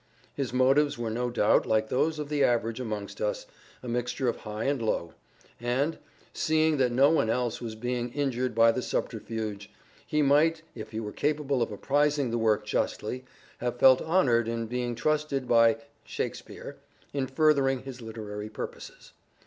His motives were no doubt like those of the average amongst us, a mixture of high and low ; and, seeing that no one else was being injured by the subterfuge, he might if he were capable of apprizing the work justly, have felt honoured in being trusted by " Shakespeare " in furthering his literary purposes.